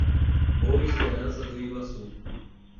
Boa Esperança do Iguaçu